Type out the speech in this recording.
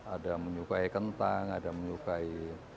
ada menyukai kentang ada menyukai